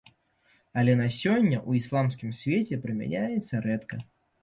Але на сёння ў ісламскім свеце прымяняецца рэдка.